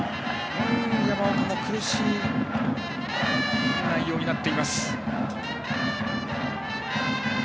山岡も苦しい内容になっています。